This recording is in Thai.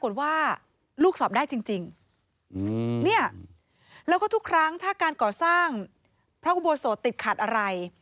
แล้วก็ทุกครั้งถ้าการก่อสร้างพระอุบัติโสตรติดขาดอะไร